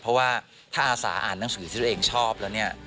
เพราะว่าถ้าอาสาอ่านหนังสือที่ตัวเองชอบแล้วเนี่ย